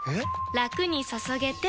ラクに注げてペコ！